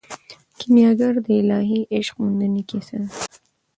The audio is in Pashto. کیمیاګر د الهي عشق موندنې کیسه ده.